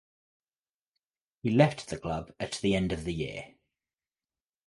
He left the club at the end of the year.